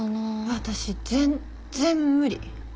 私全然無理。